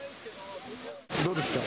どうですか？